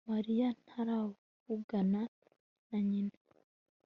Mariya ntaravugana na nyina